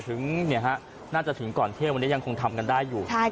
ถึงเนี่ยฮะน่าจะถึงก่อนเทพวันนี้ยังคงทำกันได้อยู่